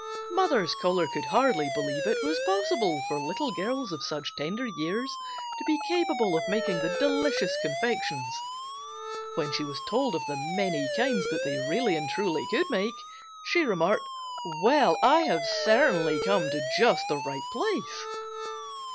Mother's caller could hardly believe it was possible for little girls of such tender years to be capable of making the delicious confections. When she was told of the many kinds that they really and truly could make, she remarked, "Well, I certainly have come to just the right place."